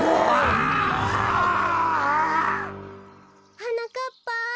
はなかっぱ。